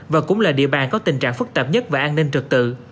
và cũng là địa bàn có tình trạng phức tạp nhất và an ninh trực tự